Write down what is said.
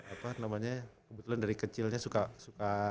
apa namanya kebetulan dari kecilnya suka suka